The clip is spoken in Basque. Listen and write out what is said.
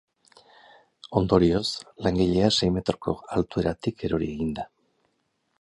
Ondorioz, langilea sei metroko altueratik erori egin da.